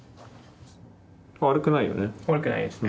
悪くないですね。